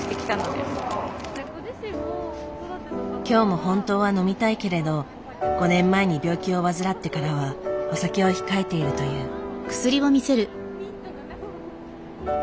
今日も本当は飲みたいけれど５年前に病気を患ってからはお酒を控えているという。